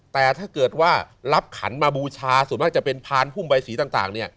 แต่ถ้าเกิดว่ารับขันมาบูชาส่วนมากจะเป็นพานพุ่มใบสีต่างเนี่ย